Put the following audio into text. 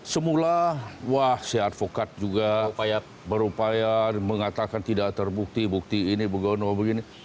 semula wah si advokat juga berupaya mengatakan tidak terbukti bukti ini begono begini